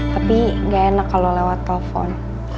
tapi nggak enak kalau lewat telepon